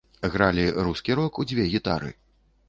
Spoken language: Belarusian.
Гралі рускі рок у дзве гітары.